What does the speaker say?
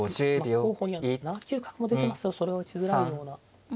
候補には７九角も出てますけどそれは打ちづらいような。